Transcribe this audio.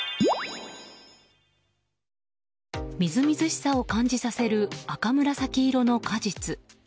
みずみずしさを感じさせる赤紫色の果実。